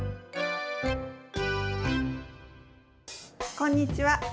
こんにちは。